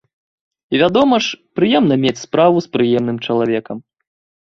І, вядома ж, прыемна мець справу з прыемным чалавекам.